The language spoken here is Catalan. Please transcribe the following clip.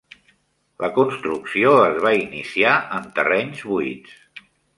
La construcció es va iniciar en terrenys buits.